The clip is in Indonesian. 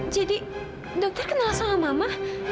jadi dokter kenal sama mama